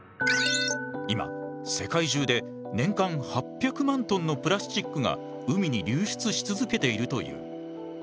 今世界中で年間８００万トンのプラスチックが海に流出し続けているという。